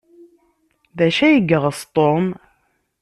D acu ay yeɣs Tom?